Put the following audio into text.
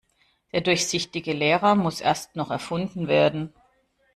Der durchsichtige Lehrer muss erst noch erfunden werden.